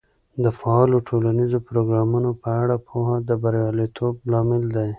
د فعالو ټولنیزو پروګرامونو په اړه پوهه د بریالیتوب لامل دی.